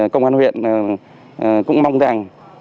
công an huyện cũng mong rằng